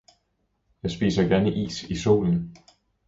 Jeg spiser gerne is i solen!